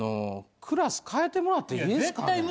クラス替えてもらっていいですか。